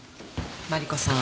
マリコさん